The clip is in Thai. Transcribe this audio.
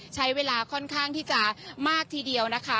ใช้เวลาค่อนข้างที่จะมากทีเดียวนะคะ